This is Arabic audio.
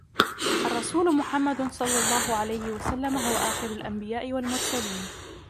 الرسول محمد صلى الله عليه وسلم هو آخر الانبياء و المرسلين.